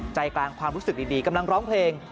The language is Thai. ใจกลางความรู้สึกดีกำลังร้องเพลง